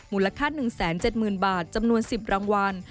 มูลค่า๑๗๐๐๐บาทจำนวน๑๐รางวัล